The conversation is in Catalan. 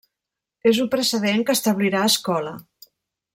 És un precedent que establirà escola.